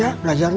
ya belajar lagi